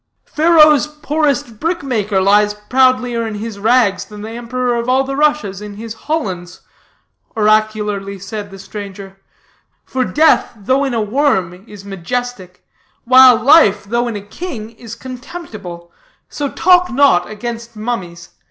"Pharaoh's poorest brick maker lies proudlier in his rags than the Emperor of all the Russias in his hollands," oracularly said the stranger; "for death, though in a worm, is majestic; while life, though in a king, is contemptible. So talk not against mummies.